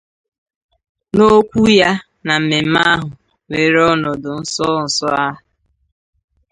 N'okwu ya na mmemme ahụ wééré ọnọdụ nsonso a